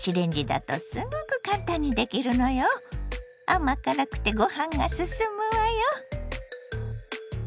甘辛くてごはんが進むわよ。